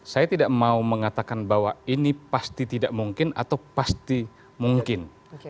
saya tidak mau mengatakan bahwa ini pasti tidak mungkin atau pasti mungkin